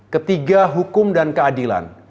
ketiga hukum dan keadilan